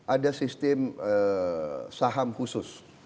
ada sistem saham khusus